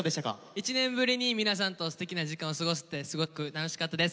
１年ぶりに皆さんとすてきな時間を過ごせてすごく楽しかったです。